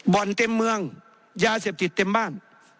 เต็มเมืองยาเสพติดเต็มบ้าน